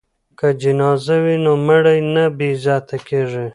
که جنازه وي نو مړی نه بې عزته کیږي.